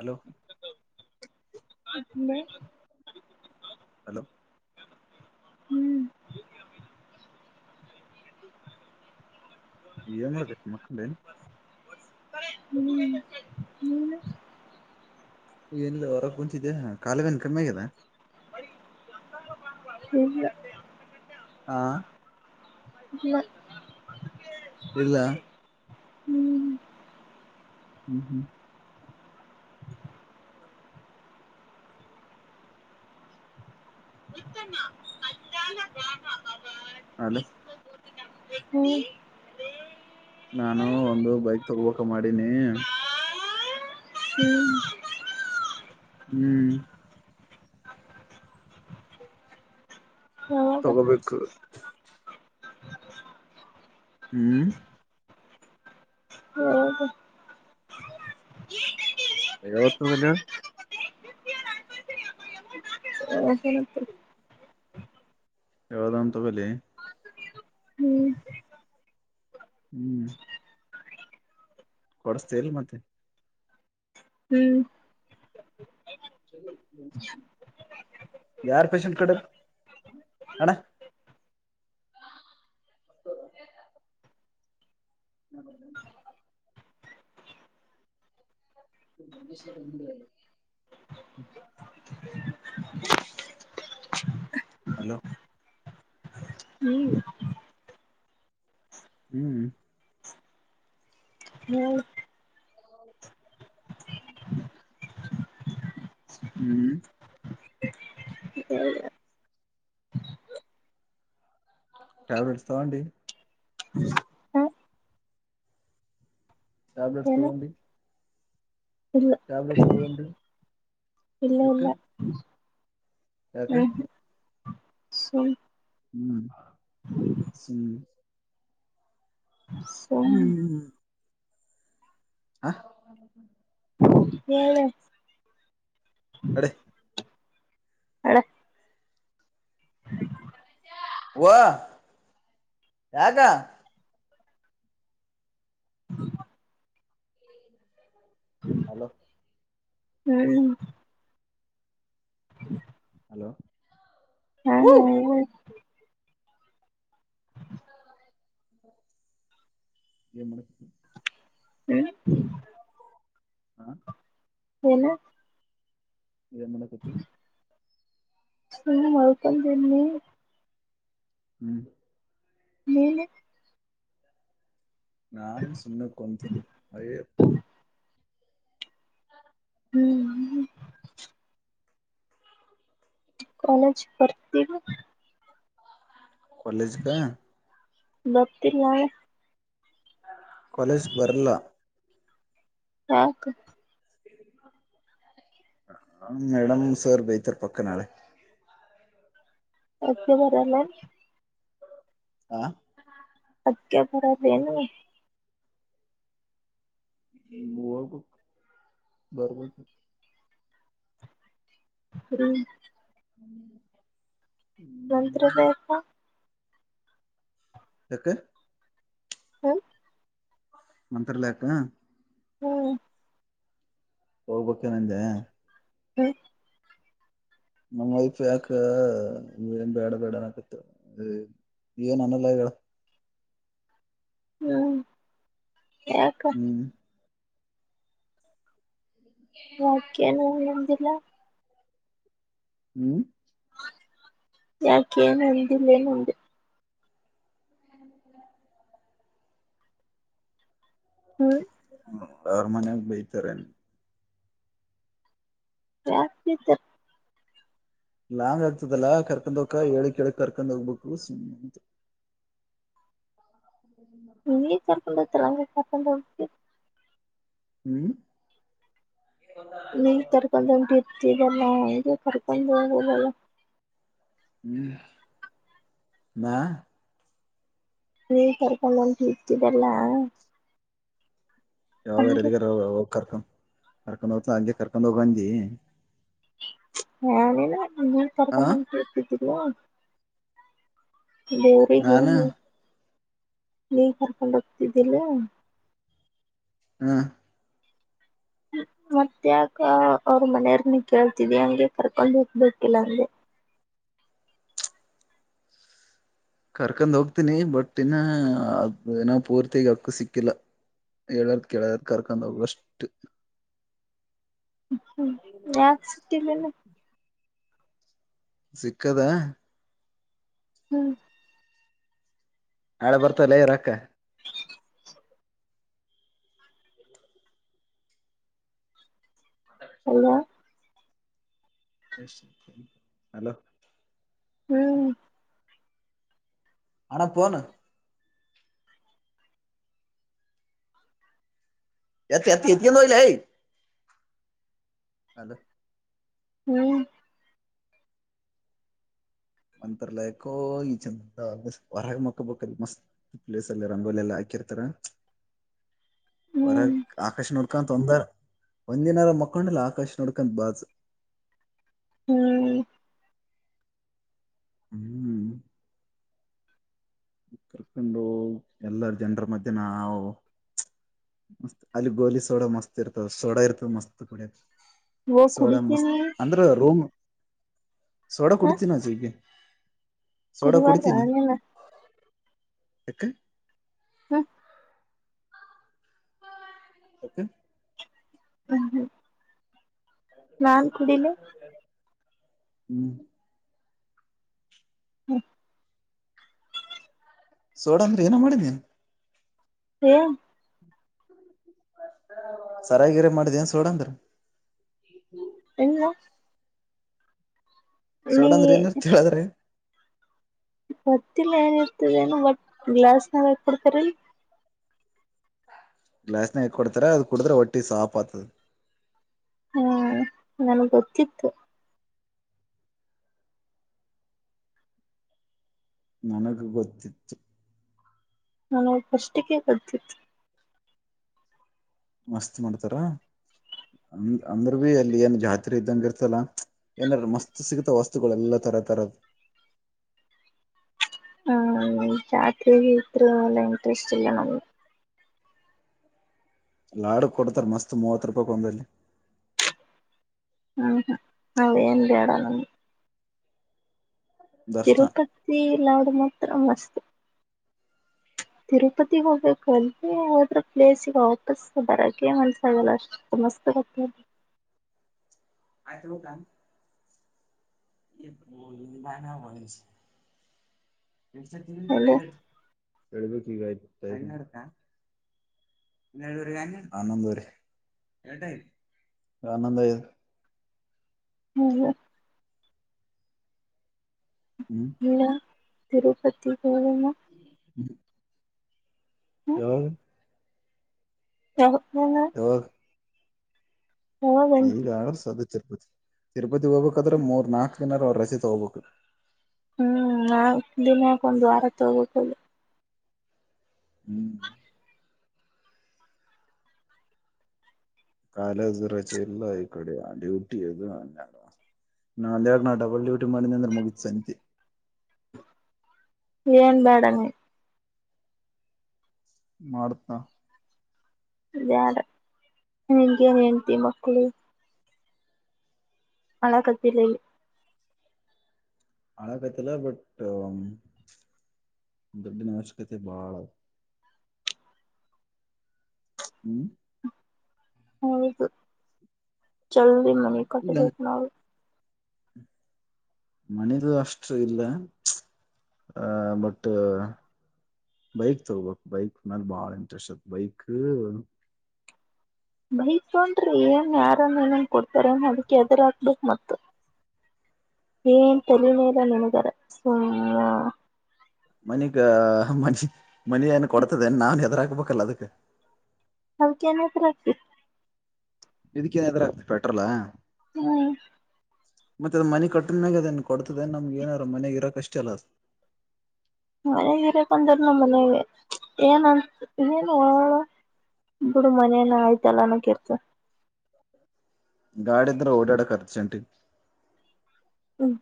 Hello hello hello ಹ್ಮ್. ಏನ್ ಮಾಡಾಕತ್ತಿ ಮಕ್ಕೊಂಡಿಯೇನ ಹ್ಮ್ ನೀನ ಏನಿಲ್ಲಾ ಹೊರ ಕುಂತಿದ್ದೆ ಕಾಲಬ್ಯಾನಿ ಕಮ್ಮಿ ಆಗದಾ. ಇಲ್ಲಾ. ಆ. ಇಲ್ಲಾ. ಇಲ್ಲಾ. ಹ್ಮ್ ಹ್ಮ್ ಹ್ಮ್ [unintelligible] ಅಲೋ. ನೀ ನಾನು ಒಂದು ಬೈಕ್ ತಗೋಬೇಕ ಮಾಡೀನಿ ಹ್ಮ್ ಹ್ಮ್ ಯಾವಾಗಾ ತಗೋಬೇಕು ಹ್ಮ್ ಹೋಗ [inaudible] ಯಾವತ್ತ ಹೋಗಣ್ಯ. ಹ [unintelligible] ಯಾವದ ಒಂದು ತಗೋಳಿ ಹ್ಮ್ ಹ್ಮ್ ಕೊಡುಸ್ತಿಲ್ಲ ಮತ್ತೆ ಹ್ಮ್ ಯಾರ ಪೇಷಂಟ್ ಕಡೆ ಅಣ್ಣಾ [inaudible] ಹಲೋ ಹ್ಮ್ ಹ್ಮ್ ಹ್ಮ ಹ್ಮ್ ಹ ಟ್ಯಾಬ್ಲೆಟ್ಸ್ ತಗೊಂಡಿ ಟ್ಯಾಬ್ಲೆಟ್ಸ್ ಏನ ತೊಗೊಂಡಿ ಇಲ್ಲ ಟ್ಯಾಬ್ಲೆಟ್ಸ್ ತೊಗೊಂಡಿ ಇಲ್ಲ ಇಲ್ಲ ಯಕ ಹ್ಮ್ ಸುಮ್ ಹ್ಮ್ ಸುಮ್ ಸುಮ್ ಹಾ ಹೇಳು ಹ್ಮ ಕಡೆ ಹಳ ವ ಯಾಗ ಹಲೋ ಹ್ಮ್ [inaudible] ಹಲೋ ಹಾ ಹ್ಮ್ ಎ ಮ [inaudible] ಹ್ಮ ಹ್ಮ ಏನ ಏನ್ ಮಾಡ ಕತಿ ಸುಮ್ನೆ ಮಲ್ಕೊಂಡಿನಿ ಹ್ಮ್ ನೀನು ನನ್ ಸುಮ್ನೆ ಕುಂತೀನ ಅ ಹ್ಮ್ ಕಾಲೇಜ ಭರ್ತಿರ ಕಾಲೇಜ್ ಕ ಬರ್ತಿಲ್ಲ ಕಾಲೇಜ್ ಬರ್ಲ ಯಾಕ್ ಮೇಡಂ ಸರ್ ಬೈತಾರೆ ಪಕ್ಕ ನಾಳೆ ಅದ್ಕೆ ಬರಲ್ಲ ಏನ್ ಹಾ ಅದಕ್ಕೆ ಬರೋಲ್ಲೇನ ಹ ನಿನ್ಹೋಗೂ ಬರಬರ್ ಹೂ ಹ್ಮ್ ನಂತ್ರದಪ್ಪ ಕಕ್ಕ ಹ್ಮ ಮಂತ್ರಲಯಕ್ಕ ಹ್ಮ್ ಹೋಗ್ಬಕ್ಕೆನಂದೆ ಹ್ಮ ನಮ್ ವೈಫ ಯಾಕನ್ ಬೇಡ ಬೇಡನ್ಕತ್ ನ್ ಅನಲ್ಲ ಆಗ್ಯಾಳ ಹ್ಮ ಯಏಕ್ಕ ಹ್ಮ್ ಯಾಕ್ ಏನ್ ಅಂದಿ ನ ಹ್ಮ್ ಯಾಕೇಏನ್ ಅಂದಿಲ್ಲ ಏನಂದಿಲ್ಲ ಹ್ಮ್ ಹ ಹ್ಮ್ ಯರ ಮನೆ ಬೈತರೆ ಯಾಕ್ ಬೈತಾರ ಲಾಂಗ್ ಆಗ್ತದಲ್ಲಾ ಕರ್ಕೊಂಡ ಹೋಗಕ ಹೇಳಿ ಕೇಳಿ ಕರ್ಕೊಂಡ್ ಹೋಗ್ಬೇಕು ಸ್ಮ್ ಅಂತ ಅ ಕರ್ಕೊಂಡು ಹೋಗ್ತಾರೆ ಹಂಗೆ ಕರ್ಕೊಂಡ್ ಹೋಗ್ತಿ ಹ್ಮ್ ನೀ ಕರ್ಕೊಂಡು ಒಂಟಿದ್ದಿ ದೆಲ್ಲ ನಂಗೂ ಕರ್ಕೊಂಡು ಹೋಗೋದಲ್ಲ ಹ್ಮ್ ಮಾ ನೀವ ಕರ್ಕೊಂಡಂತು ಇಟ್ಟಿದೆಲ್ಲ ಯಾವಾರಎಲ್ಲಿಗಾರ ಹೋಗ್ರ್ ಹೋಗ್ ಕರ್ಕಂ ಕರ್ಕದಜ ಹಂಗೆ ಕರ್ಕದ ಹೋಗು ಅಂದಿ. ಹ್ಯಲೆಲಾ. ನೀನ ಆ ಕರ್ಕೊಂಡ್ ಹೊಂಟಿದ್ದು. [unintelligible] [unintelligible] ನಾನ ನೀಗ್ ಕರ್ಕೊಂಡ್ ಹೋಗ್ತಿದ್ದಲ್ಲಾ. ಹಾ ಮತ್ಯಾಕ್ ಅವ್ರ ಮನೆಯರ್ನ್ನ ಕೇಳ್ತಿದಿ ಹಂಗೆ ಕರ್ಕೊಂಡ್ ಹೋಗಬೇಕಿಲ್ಲ ಅಂಗೆ. ಕರ್ಕೊಂಡ್ ಹೋಗ್ತೀನಿ ಬಟ್ ಇನ್ನ ಅದ ಏನ ಪೂರ್ತಿಗ ಅಕ್ಕ ಸಿಕ್ಕಿಲ್ಲ ಹೇಳದ ಕೇಳದ ಕರ್ಕ್ ಹೋಗಷ್ಟ. ಹ್ಮ್ ಹ್ಮ್ ಯಾಕ ಸಿಕ್ಕಿಲ್ಲೆನ್. ಸಿಕ್ಕದ ಹ್ಮ್ ನಾಳೆ ಬರ್ತಲ್ಲ ಇರ ಅಕ್ಕಾ. ಅವ್ರಾ. ಹಲೋ ಹ್ಮ್ ಅಣ್ಣಾ ಪೋನ. ಎತ್ತ ಎತ್ತ ಎತಿನೋ ಲೇ. ಅಲ ಹ್ಮ್ ಮಂತ್ರರ ಲಯಕೋ ಈ ಚಂದ ಹೊರಗ ಮಕ್ಕಬೇಕಲ್ ಮಸ್ತ್ ಪ್ಲೇಸ್ಲ್ಲಿ ರಂಗೋಲೆ ಎಲ್ಲಾ ಹಾಕಿರ್ತಾರ. ಹ್ಮ್ ಒರಗ್ ಆಕಾಶ ನೊ ಕಂತತ್ ಒಂದರ ಒಂದಿನಾರ ಮಕ್ಕೊಂಡಿಲ್ಲಾ ಆಕಾಶ್ ನೋಡ್ಕಂತ ಬಾಜ. ಹ್ಮ್ ಹ್ಮ್ ಕರ್ಕೊಂಡು ಎಲ್ಲಾರ ಜನರ ಮಧ್ಯ್ಯ ನಾವು. ಮತ್ ಅಲ್ಲಿ ಗೋಲಿ ಸೋಡ ಮಸ್ತ್ ಇರ್ತದ. ಸೋಡಾ ಇರ್ತದ ಮಸ್ತ್ ಕುಡ್ಯಾಕ್ ಓ ಸೋಡಾ ಮಸ್ತ್ ಕುಡಿತೀನಿ ಅಂದ್ರೆ ರೂಮ್. ಸೋಡಾ ಕುಡ್ತೀನಾ ಝೀಗೆ ಗುರುವಾರ ರಾಯಣ ಯಕನ್. ಹ ಯಕ. ಹ್ಮ ಹ್ಮ ನಾನ್ ಕುಡೀಲಿ ಹ್ಮ್ ಹ್ಮ ಸೋಡ ಅಂದ್ರ ಏನ ಮಾಡಿ ನೀನ್. ಹೊ ಸರಾಗಿರ ಮಾಡ್ದನ್ ಸೋಡಂದ್ರ. ಇಲ್ಲಾ. ಸೋಡಾ ಅಂದ್ರ ಏನ ತಿಳ್ಯಾರ್ ರೀ. ಗೋತ್ತಿಲ್ಲಾ ಏನಿರ್ತದ ಏನು ಬಟ್ ಗ್ಲಾಸ್ನಾಗ್ ಹಾಕ ಕೊಡ್ತಾರ ಇಲ್. ಗ್ಲಾಸನಾಗ್ ಹಾಕ್ ಕೊಡ್ತಾರ ಅದು ಕುಡದ್ರೆ ಒಟ್ಟಿ ಸಾಪಾತದ. ಹಾ ನನ್ಗ್ ಗೊತ್ತಿತ್ತು. ನನಗ ಗೊತ್ತಿತ್ತು. ನನಗ್ ಫಸ್ಟ್ ಗೆ ಗೊತ್ತಿತ್ತು. ಮಸ್ತ್ ಮಾಡ್ತಾರ ಅಂದ ಅಂದ್ರ ಭ ಅಲ್ಲಿ ಏನ್ ಜಾತ್ರೆ ಇದ್ದಂಗ ಇರ್ತಲ್ಲಾ ಏನಾರ ಮಸ್ತ್ ಸಿಗತ ವಸ್ತುಗಳೆಲ್ಲಾ ತರ ತರದ. ಹ್ಮ್ ಜಾತ್ರೆ ಗಿತ್ರೆ ಎಲ್ಲ ಇಂಟ್ರೆಸ್ಟ್ ಇಲ್ಲಾ ನಮಗೆ. ಲಾಡು ಕೊಡ್ತಾರ ಮಸ್ತ್ ಮೂವತ್ ರೂಪಾಯ ಕೊ ಒಂದಲ್ಲಿ ಹ್ಮ್ ಹ್ಮ್ ಅವೆನ್ ಬ್ಯಾಡ ನಮಗ. ದರ್ಶನ ತಿರುಪತ್ತಿ ಲಾ ಮಾತ್ರ ಮಸ್ತ್ ತಿರುಪತಿಗ್ ಹೋಗ್ಬೇಕು ಅಲ್ಲಿ ಹೊದ್ರ ಪ್ಲೇಸ್ಗೆ ವಾಪಸ್ ಬರಕ್ಕೆ ಮನ್ಸಾಗಲ್ಲ ಅಷ್ಟ ಮಸ್ತ್ ಗತ್ತ. [unintelligible] ಅಲ್ಲ ಕೊಡಬೇಕ ಹಾ ನೊಂದುವರೆ ಇಟಗದ ಹನೊಂದು ಐದ ಹಾ ಹೇಳ್. ಹೇಳ ತಿರುಪತಿ ಹ್ಮ ಯಾಯಿ. [inaudible] ಹ್ಮ್ ಹ್ಮ್ ಯಾವಾಗ ಈಗ ಆಣಸದಿ. ತಿರುಪತಿ ತಿರುಪತಿ ಹೋಗ್ಬೇಕಾದ್ರ ಮೂರ್ ನಾಕ್ ದಿನಾರ ಅವ್ರ ರಜೆ ತಗೋಬೇಕು. ಹ್ಮ್ ನಾ ದಿನಾಕ ಒಂದ ವಾರ ತ ಹೋಗಕುದು. ಹ್ಮ್ ಕಾಲೇಜು ರಜೆ ಇಲ್ಲಾ ಈ ಕಡೆ ಡ್ಯೂಟಿ ಅದು ನಾಲಣ ಡಬಲ್ ಡ್ಯೂಟಿ ಮಾಡಿದದ್ರ ಮುಗಿತ್ ಸಂತಿ. ಏನ್ ಬ್ಯಾಡಮ್ಮಿ. ಮಾಡ್ತಾ. ಬ್ಯಾಡಾ ಹಂಗೆ ಹೆಂಡ್ತಿ ಮಕ್ಳು. ಅಳಾಕತಿಲ ಇಲ್. ಅಳಾಕತಿಲ್ಲ ಬಟ್ ದುಡ್ಡಿನ ಅವಶ್ಯಕತೆ ಬಾಳ ಹ್ಮ್ ಹೌದು ಜಲ್ದಿ ಮಾ ಈಗ ಕಟ್ಟ ನ ಮನಿದು ಅಷ್ಟ ಇಲ್ಲ ಅಹ ಬಟ್ ಬೈಕ್ ತಗೋಬೇಕು ಬೈಕ್ ಮೇಲೆ ಬಾಳ ಇಂಟ್ರೆಸ್ಟ್ ಆತ್ ಬೈಕ್ ಬೈಕ್ಂದ್ರೆ ಏನ್ ಯಾರ ಏನನ್ ಕೊಡ್ತಾರ ಅದಕ್ಕೆ ಎದರಕ್ಬೇಕ ಮ ಏನ್ ತಲನೇಲ್ಲ ನೆನಗಾರ ಸು ಮನಗ ಮಚ ಮನಿ ಏನ್ ಕೊಡ್ತಾದೆನ್ ನಾನ್ ಹೆದ್ರಾಕ್ಬೇಕಲ್ಲ ಅದಕ್ಕೆ ಹೌ ಕೆನತ್ರರಿ ಇದಕ್ಕ ನಾದ್ರ ಆಗ್ತದೆ ಪೆಟ್ರೋಲಾ ಹ್ಮ್ ಮತ್ತೆ ಅದ ಮನೆ ಕಟ್ಟದ ಮಾಗ ಅದೇನ್ ಕೊಡ್ತದ ನಮ್ಗೆ ಏನಾರ ಮನ್ಗ್ ಇರಕ್ ಅಷ್ಟ ಅಲ್ಲ ಅದು ಮನೆಗ ಇರಕ್ಂದ್ರ ನ ಮನೆ ಏನ ಏನುಳ ಬಿಡು ಮನೇನ ಆಯ್ತಲ್ಲನ ಕಿರ್ತ ಗಾಡಿ ಇದ್ರೆ ಓಡಾಡಕ್ಕೆ ಅರ್ಜೆಂಟಿಗೆ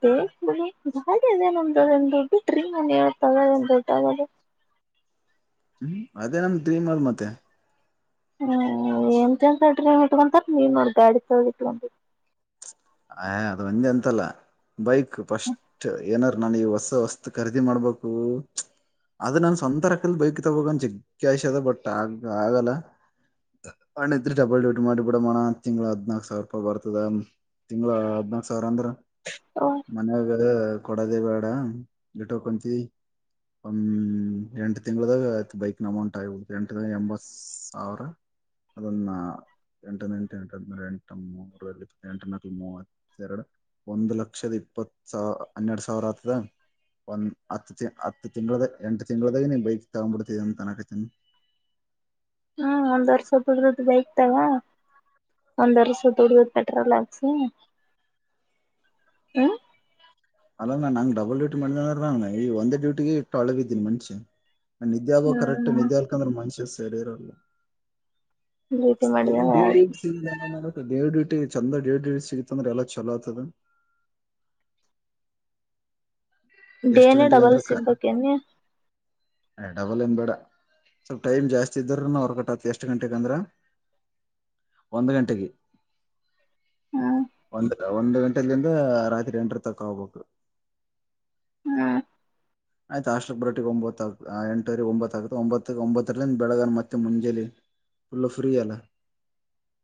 ಬೇದೇ ನ್ದ ಗಾಡಿ ಅದ ನಮ್ದು ಒಂದ್ ದೊಡ್ಡು ಡ್ರೀಮ್ ಮನೆ ಹತದ ನಾನ್ ದುಡ್ಡ ಅವಾಗ ಹ್ಮ್ ಅದೇ ನಮ ಡ್ರೀಮ್ ಅಲ್ಲ ಮತ್ತೆ ಹ್ಮ್ ಎಂತ ಎಂತ ಡ್ರೀಮ್ ಇಟ್ಕೊತಾರ ನೀ ನೋಡ್ ಗಾಡಿ ತೊಗೊಳೊದು ಇಟ್ಕೊಂಡಿ ಆ ಅದು ಒಂದೇ ಅಂತಲ್ಲ ಬೈಕ್ ಫಸ್ಟ್ ಏನಾರ ನಾನ ಈ ಹೊಸ ಹೊಸ್ ಖರೀದಿ ಮಾಡ್ಬೇಕು ಅದ ನನ್ ಸ್ವಂತ ರಕಲ್ ಬೈಕ್ ತಗೋಂದ ಜಿಗ್ಷ ಅದ ಬಟ್ ಆಗ ಆಗಲ್ಲ ಅಣ್ಣಿದ್ರಿ ಡಬಲ್ ಡ್ಯೂಟಿ ಮಾಡಿ ಬಿಡಮ್ಮಣ ತಿಂಗ್ಳ ಹದ್ನಾಕ್ ಸಾವಿರ ರೂಪಾಯಿ ಬರ್ತದ ತಿಂಗ್ಳ ಹದ್ನಾಕ್ ಸಾವರ ಅಂದ್ರ ಮನಗ ಕೊಡದೇ ಬೇಡ ಗಟಂತ ಒ ಎಂಟು ತಿಂಗಳದಾಗ ಆಯ ಬೈಕ್ ನ ಅಮೌಂಟ್ ಆಗಬುದು ಎಂಟ ತಿಂಗಳ ದಾಗ ಎಂಬ ಸಾವಿರ ಅದನ್ನ ಎಂಟಂಟು ಎಂ ಎಂಟ [inaudible] ಮೂಂ ಮೂವತ್ತೆರಡು ಒಂದು ಲಕ್ಷದ ಇಪ್ಪತ್ ಸಾವ ಹನ್ನೆರಡು ಸಾವಿರ ಆತದ ಒಂದ್ ಹತ್ತು ಹತ್ತು ತಿಂಗಳದ ಎಂಟ ತಿಂಗಳದಾಗ ನೀ್ ಬೈಕ್ ತಗೊಂಡ್ಬಿಡ್ತಿದ ಅಂತ ಅನಕತನಿ ಹ್ಮ ಒಂದ್ ವರ್ಷ ದುಡದ ಬೈಕ್ ತಗ ಒಂದ್ ವರ್ಸ ದುಡದ ಪೆಟ್ರೋಲ್ ಹಾಕ್ಸಿ ಹ್ಮ ಅಲ ನ ನಂಗ್ ಡಬಲ್ ಡ್ಯೂಟಿ ಮಾಡದೇ ಅಂದ್ರೆ ನಾನ್ ಈ ಒಂದೇ ಡ್ಯೂಟಿಗೆ ಇಟ್ಟುಳ ಬಿದ್ದೀನ ಮನ್ಷಿ ನಿದ್ದೆ ಆಗಬೇಕು ಕರೆಕ್ಟ್ ಹ್ಮ್ ನಿಡ್ಡಿಯಾರ್ಲ್ಕಿದ್ರೆ ಮಾನ್ಷಿಯಸ್ ಶರೀರಲ್ಲ ಡ್ಯೂಟಿ ಮಾಡಿದ [unintelligible] ಚಂದ ದಡ್ ಸಿಗತ ಅಂದ್ರೆ ಎಲ್ಲಾ ಚಲೋ ಆಗ್ತದ ಎಷ್ಟ್ ಡೇನ ಡಬಲ್ ಸಿಗಬೇಕು ಎನ್ ನಿನಗ ಹ ಡಬಲ್ ಏನ್ ಬೇಡ ಸ್ವಲ್ಪ ಟೈಮ್ ಜಾಸ್ತಿ ಇದ್ದ್ರ ನ ಹೊರ್ಗಟ್ಟತಿ ಎಷ್ಟ್ ಗಂಟೆಗೆ ಅಂದ್ರ ಒಂದು್ ಗಂಟೆಗೆ ಹ್ಮ್ ಒಂದು ಒಂದು ರಟಲ್ಲಿಂದ ರಾತ್ರಿ ಎಂಟರ ತಕ ಹೋಗ್ಬೇಕು ಹ್ಮ್ ಆಯ್ತ ಅಷ್ಟಕ್ ಬರಟಿಗೆ ಒಂಬತ್ ಆ ಆ ಎಂಟವರಿಗೆ ಒಂಬತ್ತ ಆಗತ ಒಂಬತ್ತ ಒಂಬತ್ತರ್ಿಂದ ಬೆಳಗನ್ ಮತ್ತೆ ಮುಂಜೇಲಿ ಫುಲ್ಲು ಫ್ರೀ ಅಲ್ಲ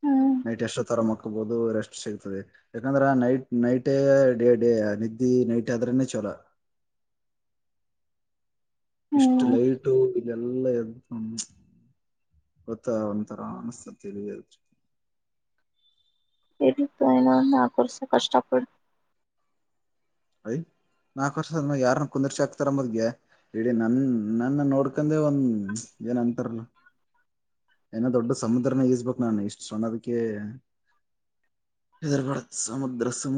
ಹ್ಮ್ ನೈಟ್ ಎಷ್ಟ ತರ ಹಕೋಬಹುದು ರೆಸ್ಟ್ ಸಿಗ್ತದೆ ಯಾಕಂದ್ರೆ ನೈಟ್ ನೈಟೇ ಡೇ ಡೇ ನಿದ್ದಿ ನೈಟ್ ಆದ್ರನೆೇ ಚಲ ಇಷ್ಟು ಹ್ಮ್ ಲೈಟು ಎಲ್ಲ ಎ್ದ ಗೊತ್ತ ಒಂದು ತರನ ಸ ತಿಳ ಎಡತ್ತು ಆಯನ ನಾಕು ವರ್ಷಾ ಕಷ್ಟಪಡಿ ಯ್ ನಾಕು ವರ್ಷ ಯಾರನ್ನ ಕುಂದಿರ್ಚಿ ಹಾಕ್ತಾರಂಬದಗೆ ಇಡೀ ನನ್ ನನ್ನ ನೋಡ್ಕೊಂಡೆ ಒಂದ್ ಏನ್ ಅಂತಾರಲ್ಲ ಏನೋ ದೊಡ್ಡ ಸಮುದ್ರನ ಈಸ್ಬೇಕಕ್ ನಾನು ಇಷ್ಟು ಸಣ್ಣದಕ್ಕೆ ಹೆರ್ಬಡ ಸಮುದ್ರ ಸಮುದ